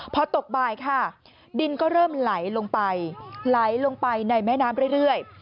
พอตกบ่ายค่ะดินก็เริ่มไหลลงไปไหลลงไปในแม่น้ำเรื่อย